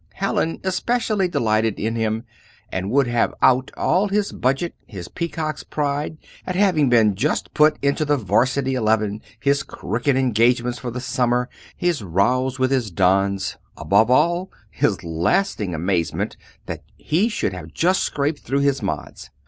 Hallin especially delighted in him, and would have out all his budget his peacock's pride at having been just put into the 'Varsity eleven, his cricket engagements for the summer, his rows with his dons, above all his lasting amazement that he should have just scraped through his Mods.